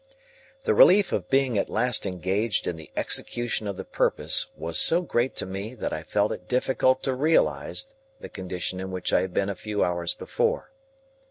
The relief of being at last engaged in the execution of the purpose was so great to me that I felt it difficult to realise the condition in which I had been a few hours before.